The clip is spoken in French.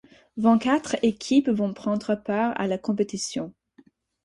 Vingt-quatre équipes vont prendre part à la compétition.